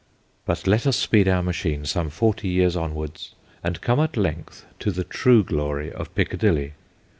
But let us speed our machine some forty years onwards and come at length to the true glory of Piccadilly.